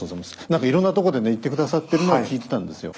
何かいろんなとこでね言ってくださってるのは聞いてたんですよ。